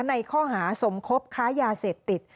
ในข้อหาสมคบค้ายาเสพติด